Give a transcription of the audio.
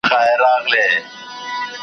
تر منګول یې څاڅکی څاڅکی تویېدلې .